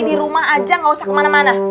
di rumah aja gak usah kemana mana